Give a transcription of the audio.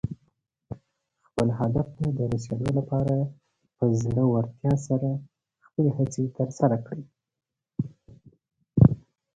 خپل هدف ته د رسېدو لپاره په زړۀ ورتیا سره خپلې هڅې ترسره کړه.